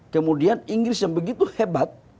kemudian inggris yang begitu hebat